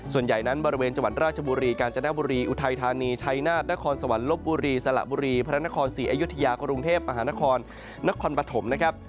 ส่วนใหญ่นั้นบริเวณจังหวัดราชบุรีกาญจนบุรีอุทัยธานีชัยนาธนครสวรรค์ลบบุรีสละบุรีพระนครศรีอยุธยากรุงเทพมหานครนครปฐมนะครับ